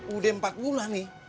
udah empat bulan nih